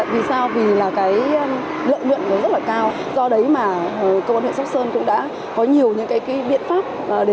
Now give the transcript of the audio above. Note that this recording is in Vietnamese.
vì sao vì lợi nhuận rất là cao do đấy mà công an huyện sông sơn cũng đã có nhiều biện pháp